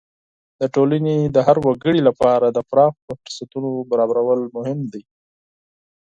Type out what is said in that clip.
د ټولنې د هر وګړي لپاره د پراخو فرصتونو برابرول مهم دي.